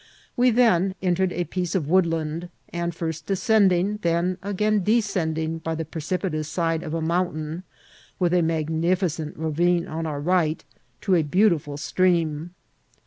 We then entered a piece of woodland, and first ascending, then again de scended by the precipitous side of a mountain, with a magnificent ravine on our right, to a beautiful stream.